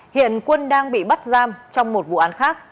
hiện quân đang bị bắt giam trong một vụ án khác